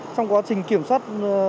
trong quá trình kiểm soát